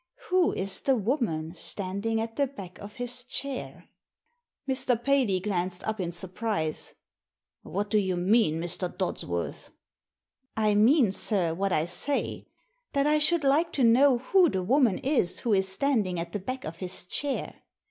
Who is the woman standing at the back of his chair?" Mr. Paley glanced up in surprise. " What do you mean, Mr. Dodsworth ?"I mean, sir, what I say — that I should like to know who the woman is who is standing at the back of his chair.